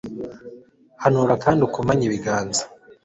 hanura kandi ukomanye ibiganza